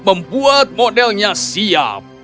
membuat modelnya siap